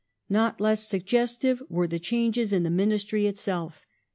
Not less suggestive were the changes in the Ministry itself.